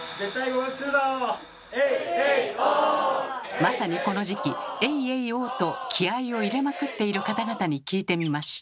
まさにこの時期「エイエイオー」と気合いを入れまくっている方々に聞いてみました。